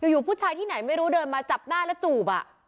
อยู่ผู้ชายที่ไหนไม่รู้เดินมาจับหน้าแล้วจูบ